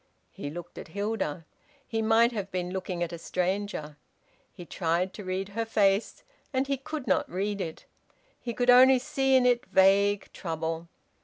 He looked at Hilda; he might have been looking at a stranger. He tried to read her face, and he could not read it. He could only see in it vague trouble.